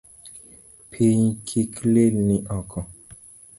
Piny kik lilni oko